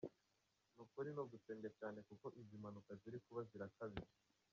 nukuri nugusenga cyane kuko izimpanuka zirikuba zirakabije.